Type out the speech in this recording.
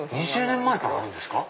２０年前からあるんですか！